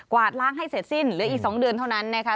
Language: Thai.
วาดล้างให้เสร็จสิ้นเหลืออีก๒เดือนเท่านั้นนะคะ